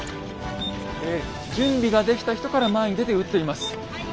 え準備ができた人から前に出て撃っています。